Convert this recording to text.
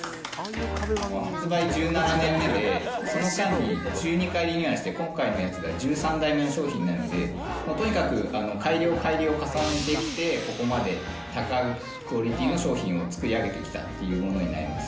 発売１７年目で、その間に１２回リニューアルして、今回のやつが１３回目の商品なので、とにかく改良、改良を重ねてきて、ここまで高いクオリティーの商品を作り上げてきたというものになります。